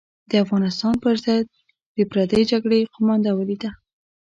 د افغانستان پر ضد د پردۍ جګړې قومانده ولیده.